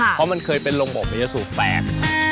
เพราะมันเคยเป็นรงบมมันจะสูงแฟก